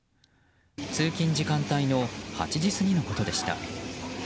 通勤時間帯の８時過ぎのことでした。